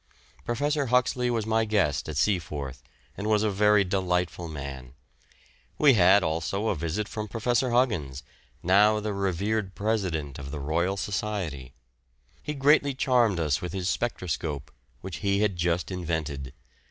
Professor Huxley was my guest at Seaforth and was a very delightful man. We had also a visit from Professor Huggins, now the revered President of the Royal Society. He greatly charmed us with his spectroscope, which he had just invented.